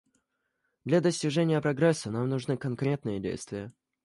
Для достижения прогресса нам нужны конкретные действия.